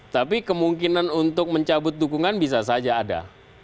tapi kemungkinan untuk mencabut dukungan bisa saja ada